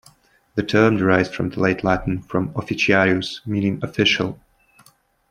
The term derives from the late Latin from "officiarius", meaning "official".